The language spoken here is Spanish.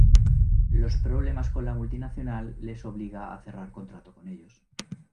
Los problemas con la multinacional les obliga a cerrar contrato con ellos.